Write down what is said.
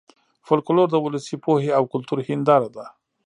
فولکلور د ولسي پوهې او کلتور هېنداره ده